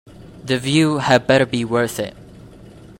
The view had better be worth it.